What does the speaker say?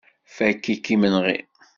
Fakk-ik imenɣi.